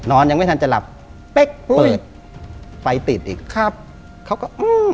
ยังไม่ทันจะหลับเป๊กเปิดไฟติดอีกครับเขาก็อืม